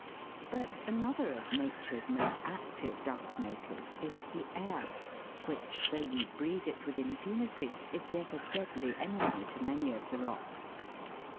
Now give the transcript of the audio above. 29 But another of Nature's most active dust makers is the air, which, though we breathe it with impunity, is yet a deadly enemy to many of the rocks.